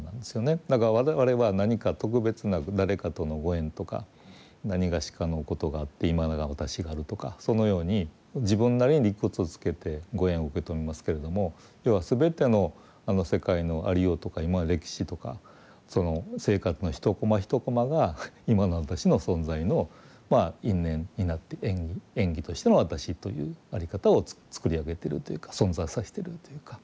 だから我々は何か特別な誰かとのご縁とかなにがしかのことがあって今の私があるとかそのように自分なりに理屈つけてご縁を受け止めますけれども要は全ての世界のありようとか歴史とか生活の１コマ１コマが今の私の存在の因縁になって縁起としての私という在り方をつくり上げているというか存在させているというか。